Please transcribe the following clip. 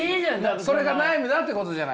それが悩みだってことじゃないすか。